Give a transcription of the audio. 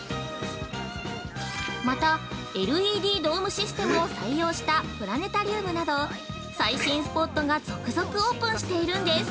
また、ＬＥＤドームシステムを採用したプラネタリウムなど最新スポットが続々オープンしているんです。